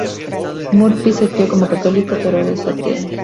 Murphy se crio como católico, pero ahora es ateo.